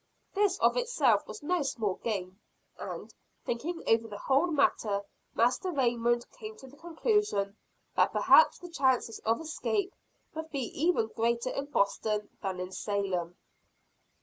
This of itself was no small gain; and, thinking over the whole matter, Master Raymond came to the conclusion that perhaps the chances of escape would be even greater in Boston than in Salem.